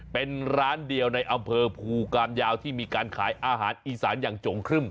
เป็นร้านเดียวในอำเภอภูกามยาวที่มีการขายอาหารอีสานอย่างจงครึ่ม